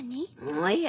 おや！